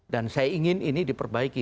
dan saya ingin ini diperbaiki